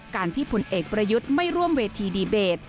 การที่ผลเอกประยุทธ์ไม่ร่วมเวทีดีเบต